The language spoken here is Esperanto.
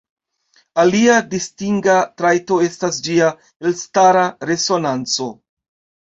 Alia distinga trajto estas ĝia elstara resonanco.